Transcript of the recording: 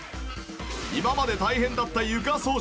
今まで大変だった床掃除。